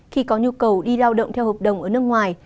khi có nhu cầu đi lao động theo hợp đồng ở nước ngoài